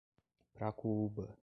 Pracuúba